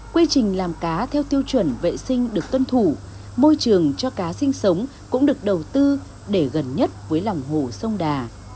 quy trình làm cá theo tiêu chuẩn vệ sinh được tuân thủ môi trường cho cá sinh sống cũng được đầu tư để gần nhất với lòng hồ sông đà